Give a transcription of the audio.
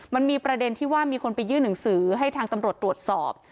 มันมีประเด็นที่ว่ามีคนไปยื่นหนังสือให้ทางตำรวจตรวจสอบ